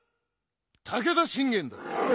武田信玄だ。